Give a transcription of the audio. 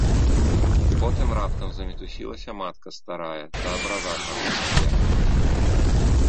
Потым раптам замітусілася матка старая, да абраза чагось пабегла.